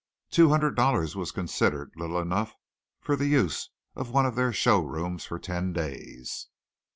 Two hundred dollars was considered little enough for the use of one of their show rooms for ten days.